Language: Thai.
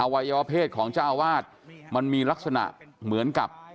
วัยวเพศของเจ้าอาวาสมันมีลักษณะเหมือนกับ